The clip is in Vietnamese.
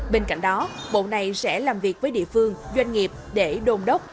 bên cạnh đó bộ này sẽ làm việc với địa phương doanh nghiệp để đôn đốc